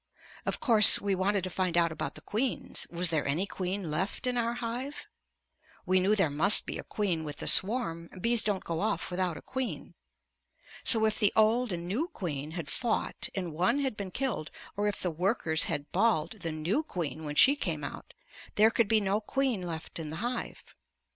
Of course we wanted to find out about the queens. Was there any queen left in our hive? We knew there must be a queen with the swarm; bees don't go off without a queen. So if the old and new queen had fought and one had been killed, or if the workers had "balled" the new queen when she came out, there could be no queen left in the hive.